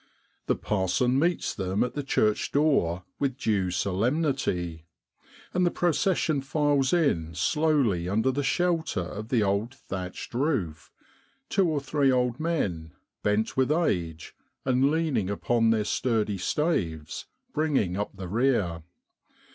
The parson meets them at the church door with due solemnity ; and the procession files in slowly under the shelter of the old thatched roof, two or three old men, bent with age, and leaning upon their sturdy staves, bringing up the rear.